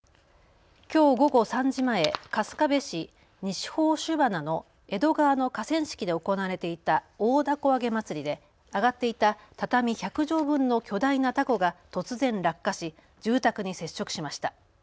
きょう午後３時前、春日部市西宝珠花の江戸川の河川敷で行われていた大凧あげ祭りで揚がっていた畳１００畳分の巨大なたこが突然、落下し住宅に接触しました。